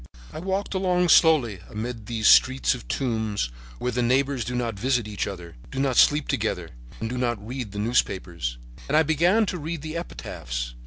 "I walked along slowly amid these streets of tombs, where the neighbors do not visit each other, do not sleep together and do not read the newspapers. And I began to read the epitaphs.